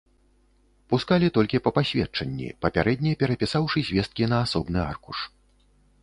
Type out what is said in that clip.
Пускалі толькі па пасведчанні, папярэдне перапісаўшы звесткі на асобны аркуш.